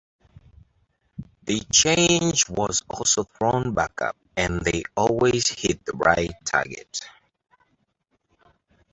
The change was also thrown back up and they always hit the right target.